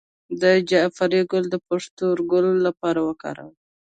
د جعفری ګل د پښتورګو لپاره وکاروئ